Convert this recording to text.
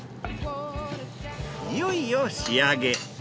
いよいよ仕上げ。